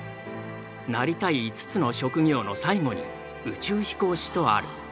なりたい５つの職業の最後に宇宙飛行士とある。